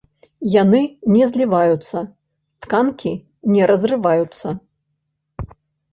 Яны не зліваюцца, тканкі не разрываюцца.